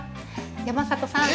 山里さん。